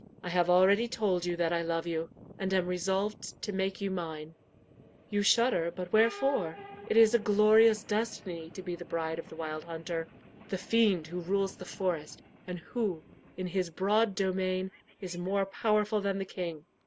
I have already told you that I love you, and am resolved to make you mine. You shudder, but wherefore? It is a glorious destiny to be the' bride of the wild hunter the fiend who rules the forest, and who, in his broad domain, is more powerful than the king.